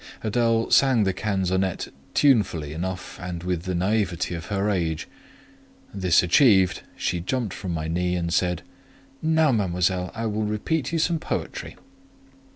Adèle sang the canzonette tunefully enough, and with the naïveté of her age. This achieved, she jumped from my knee and said, "Now, Mademoiselle, I will repeat you some poetry."